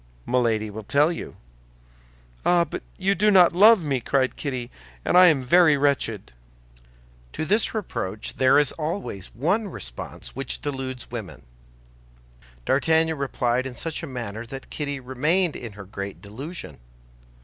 "Milady will tell you." "Ah, you do not love me!" cried Kitty, "and I am very wretched." To this reproach there is always one response which deludes women. D'Artagnan replied in such a manner that Kitty remained in her great delusion.